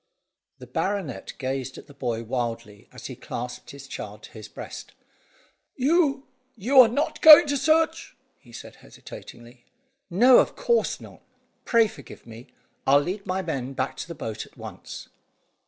The baronet gazed at the boy wildly, as he clasped his child to his breast. "You you are not going to search?" he said hesitatingly. "No, of course not. Pray forgive me. I'll lead my men back to the boat at once."